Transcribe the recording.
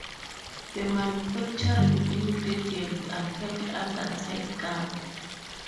The manufacturing ingredients are kept under tight guard.